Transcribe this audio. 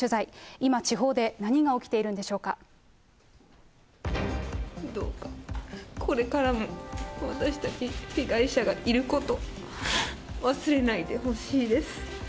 今、地方で何が起きているんでしどうか、これからも私たち被害者がいることを、忘れないでほしいです。